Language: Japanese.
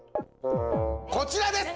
こちらです！